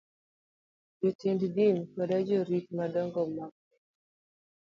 Jotend din koda jorit madongo mag weche